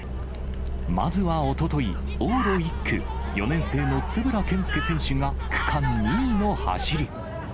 まずはおととい、往路１区、４年生の円健介選手が区間２位の走り。